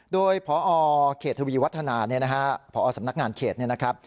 โดยพอเขตทวีวัฒนาพอสำนักงานเขตเนี่ยนะครับ